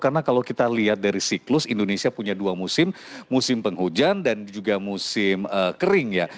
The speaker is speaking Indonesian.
karena kalau kita lihat dari siklus indonesia punya dua musim musim penghujan dan juga musim kering ya